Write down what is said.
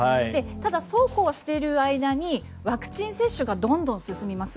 ただ、そうこうしている間にワクチン接種がどんどん進みます。